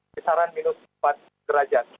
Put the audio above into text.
keserahan minus empat derajat